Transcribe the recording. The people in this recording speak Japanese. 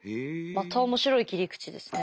また面白い切り口ですね。